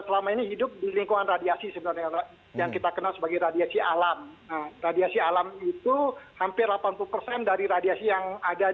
baik terima kasih